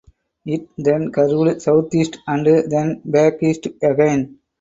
It then curved southeast and then back east again.